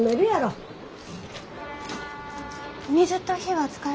はい。